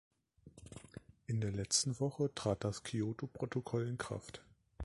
In der letzten Woche trat das Kyoto-Protokoll in Kraft.